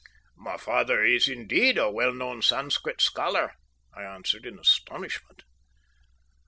"My father is, indeed, a well known Sanscrit scholar," I answered in astonishment.